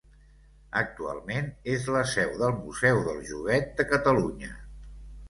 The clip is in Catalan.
Actualment és la seu del Museu del Joguet de Catalunya.